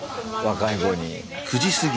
若い子に。